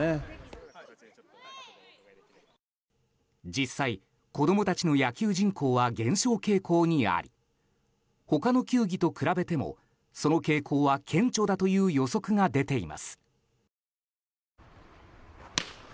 実際、子供たちの野球人口は減少傾向にあり他の球技と比べても、その傾向は顕著だという予測が出ています。